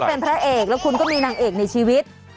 เป็นพระเอกแล้วคุณก็มีนางเอกในชีวิต